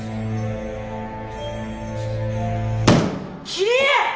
桐江！